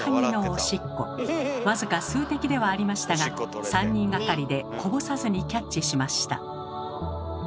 僅か数滴ではありましたが３人がかりでこぼさずにキャッチしました。